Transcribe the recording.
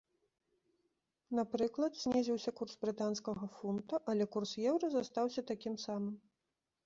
Напрыклад, знізіўся курс брытанскага фунта, але курс еўра застаўся такім самым.